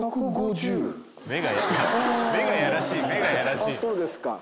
あっそうですか。